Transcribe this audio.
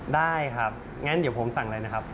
ได้ครับงั้นเดี๋ยวผมสั่งเลยนะครับ